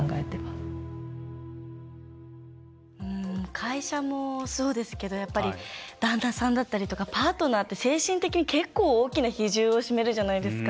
会社もそうですけどやっぱり旦那さんだったりとかパートナーって精神的に結構大きな比重を占めるじゃないですか。